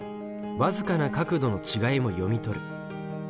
僅かな角度の違いも読み取る。